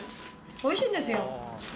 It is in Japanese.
おいしいんですよ。